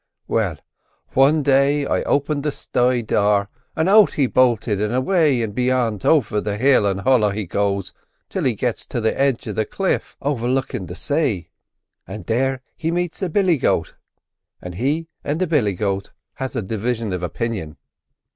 "Well, wan day I opened the sty door, an' out he boulted and away and beyant, over hill and hollo he goes till he gets to the edge of the cliff overlookin' the say, and there he meets a billy goat, and he and the billy goat has a division of opinion.